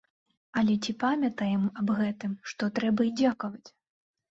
Але ці памятаем аб тым, што трэба і дзякаваць?